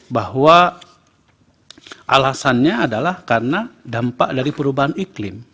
bahwa alasannya adalah karena dampak dari perubahan iklim